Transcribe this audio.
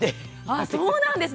あそうなんですね！